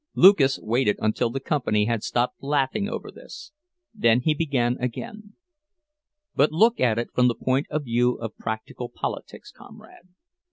Lucas waited until the company had stopped laughing over this; then he began again: "But look at it from the point of view of practical politics, comrade.